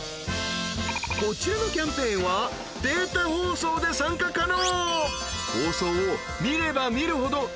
［こちらのキャンペーンはデータ放送で参加可能］